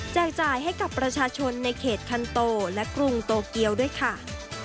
จ่ายให้กับประชาชนในเขตคันโตและกรุงโตเกียวด้วยค่ะ